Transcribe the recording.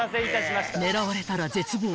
［狙われたら絶望。